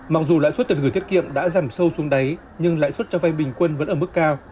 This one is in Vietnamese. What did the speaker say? mặc dù lãi suất tiền gửi tiết kiệm đã giảm sâu xuống đáy nhưng lãi suất cho vay bình quân vẫn ở mức cao